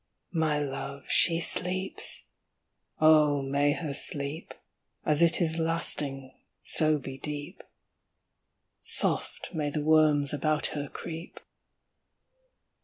My love, she sleeps! Oh, may her sleep, As it is lasting, so be deep; Soft may the worms about her creep!